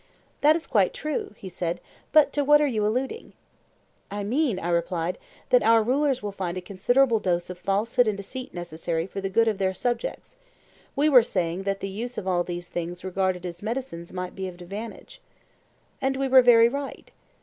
That is quite true, he said; but to what are you alluding? I mean, I replied, that our rulers will find a considerable dose of falsehood and deceit necessary for the good of their subjects: we were saying that the use of all these things regarded as medicines might be of advantage. And we were very right.